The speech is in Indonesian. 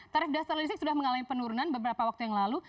tarif dasar listrik sudah mengalami penurunan beberapa waktu yang lalu